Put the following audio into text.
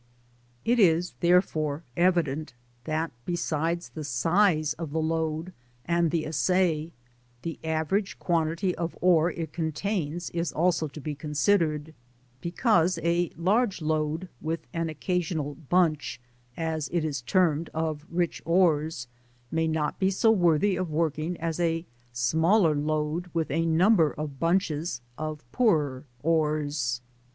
It is therefore evident, that besides the size of the lode, and the assay, the average quantity of ore it contains is also to be considered ; because a large lode, with, an occasional bunch (as it is termed) of rich ores, may not be so worthy of working as a smaller lode, with a number of bunches of poorer ores.